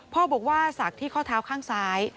พ่อบอกว่าศักดิ์ที่ข้อเท้าข้างซ้าย